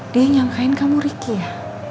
dia nyangkain kamu ricky ya